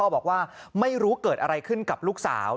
บอกว่าไม่รู้เกิดอะไรขึ้นกับลูกสาว